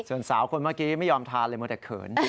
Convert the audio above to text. ส่วนสาวคนเมื่อกี้ไม่ยอมทานเลยมัวแต่เขิน